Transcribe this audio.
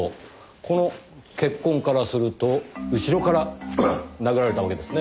この血痕からすると後ろから殴られたわけですねぇ。